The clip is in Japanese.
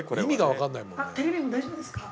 テレビも大丈夫ですか？